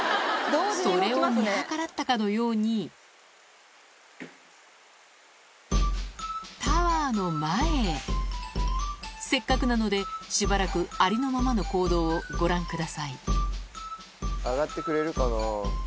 それを見計らったかのようにタワーの前へせっかくなのでしばらくありのままの行動をご覧ください上がってくれるかな？